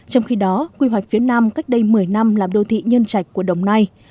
trong khi đó quy hoạch phía nam cách đây một mươi năm làm đô thị nhân trạch của đồng nai